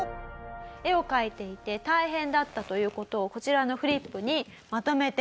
絵を描いていて大変だったという事をこちらのフリップにまとめてみました。